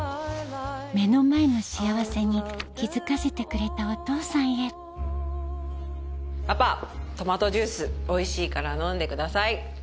目の前の幸せに気付かせてくれたお父さんへパパトマトジュースおいしいから飲んでください。